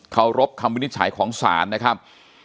เขารบคำวินิจฉัยของศาลนะครับ